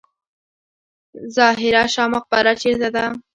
ظاهر شاه مقبره چیرته ده؟